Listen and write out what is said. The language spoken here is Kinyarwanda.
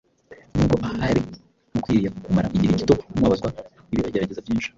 nubwo ahari mukwiriye kumara igihe gito mubabazwa n’ibibagerageza byinshi